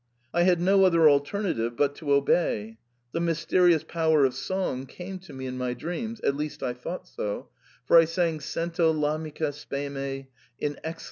I had no other alternative but to obey. The mysterious power of song came to me in my dreams — at least I thought so— for I sang * Sento r arnica speme * in excellent style.